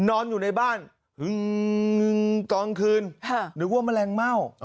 นอนอยู่ในบ้านตอนคืนนึกว่าแมลงเม่า